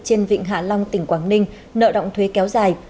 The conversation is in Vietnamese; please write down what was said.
trên vịnh hạ long tỉnh quảng ninh nợ động thuế kéo dài